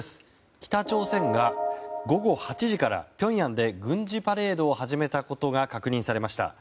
北朝鮮が午後８時からピョンヤンで軍事パレードを始めたことが確認されました。